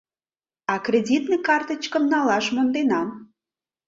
А кредитный картычкым налаш монденам.